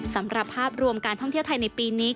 สำหรับภาพรวมการท่องเที่ยวไทยในปีนี้